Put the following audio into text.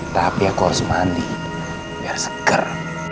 tapi aku harus mandi agar segar